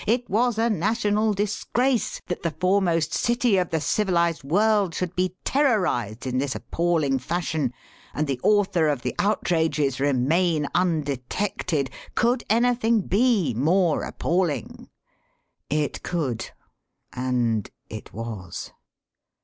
It was a national disgrace that the foremost city of the civilized world should be terrorized in this appalling fashion and the author of the outrages remain undetected! Could anything be more appalling? It could, and it was!